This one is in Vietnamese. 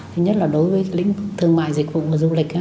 thứ nhất là đối với lĩnh thương mại dịch vụ và du lịch